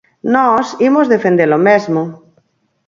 Nós imos defender o mesmo.